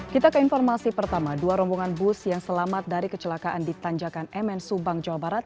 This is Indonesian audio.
kita ke informasi pertama dua rombongan bus yang selamat dari kecelakaan di tanjakan mn subang jawa barat